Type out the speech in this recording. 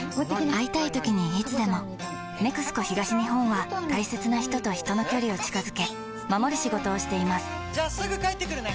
会いたいときにいつでも「ＮＥＸＣＯ東日本」は大切な人と人の距離を近づけ守る仕事をしていますじゃあすぐ帰ってくるね！